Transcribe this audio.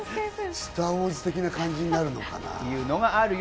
『スター・ウォーズ』的な感じになるのかな？